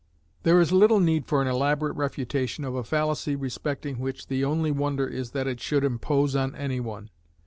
There is little need for an elaborate refutation of a fallacy respecting which the only wonder is that it should impose on any one.